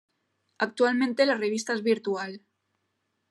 Actualmente la revista es virtual.